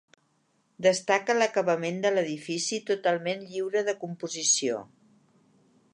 Destaca l'acabament de l'edifici totalment lliure de composició.